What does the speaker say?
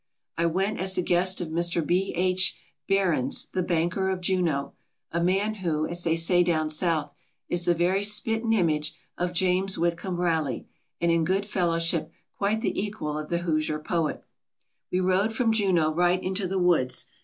I went as the guest of Mr. B. H. Behrends, the banker of Juneau, a man who, as they say down South, is the very "spi't an' image*' of James Whitcomb Riley, and in good fellow ship quite the equal of the Hoosier poet. We rode from Juneau right into the woods.